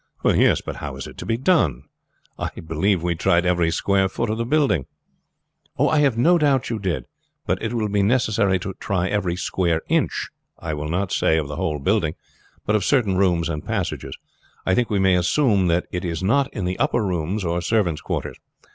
"Yes, but how is it to be found? I believe we tried every square foot of the building." "I have no doubt you did, but it will be necessary to try every square inch, I will not say of the whole building, but of certain rooms and passages. I think we may assume that it is not in the upper rooms or servants' quarters.